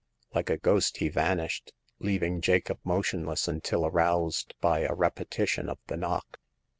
Like a ghost he vanished, leaving Jacob motionless until aroused by a repetition of the knock.